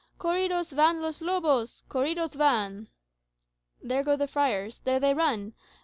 Corridas van los lobos; corridos van!" [There go the friars; there they run!